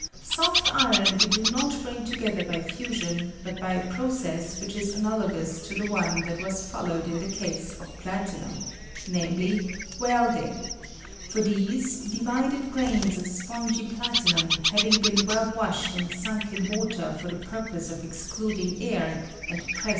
Soft iron we do not bring together by fusion, but by a process which is analogous to the one that waa followed in the case of platinum, namely, weld for these divided grains of spongy plati num having been well washed and sunk in wa ter for the purpose of excluding air, and press WELDING PROPEBTT OF PLATTNUM